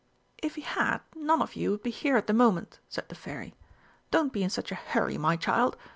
"If he had, none of you would be here at the moment," said the Fairy. "Don't be in such a hurry, my child.